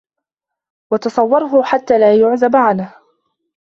وَتَصَوُّرُهُ حَتَّى لَا يَعْزُبَ عَنْهُ